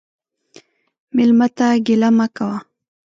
مېلمه ته ګیله مه کوه.